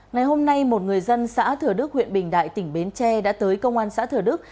ngày hôm nay một người dân xã thừa đức huyện bình đại tỉnh bến tre đã tới công an xã thừa đức